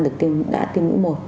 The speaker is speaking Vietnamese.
đã tiêm mũi một